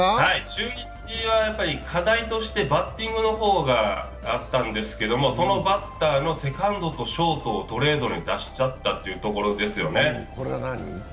中日は課題としてバッティングの方があったんですけど、そのバッターのセカンドとショートをトレードに出しちゃったところですよね。